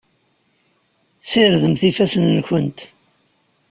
Sirdemt ifassen-nkent.